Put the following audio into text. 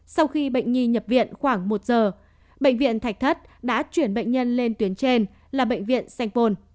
sau khi bệnh nhi nhập viện khoảng một giờ bệnh viện thạch thất đã chuyển bệnh nhân lên tuyến trên là bệnh viện sanh pôn